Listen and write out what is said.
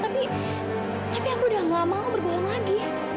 tapi aku udah gak mau berbohong lagi